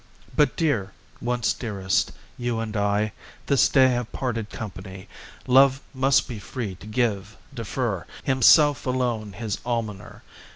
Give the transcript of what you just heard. "But, dear, once dearest, you and I This day have parted company. Love must be free to give, defer, Himself alone his almoner.